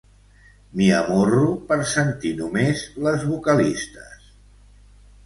M'hi amorro per sentir només les vocalistes.